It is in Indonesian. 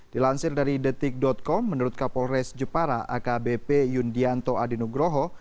dilansir dari detik com menurut kapolres jepara akbp yundianto adinugroho